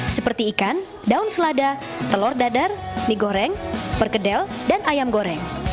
seperti ikan daun selada telur dadar mie goreng perkedel dan ayam goreng